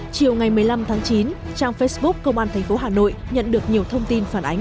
chiều ngày một mươi năm tháng chín trang facebook công an tp hà nội nhận được nhiều thông tin phản ánh